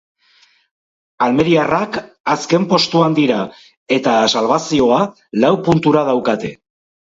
Almeriarrak azken postuan dira eta salbazioa lau puntura daukate.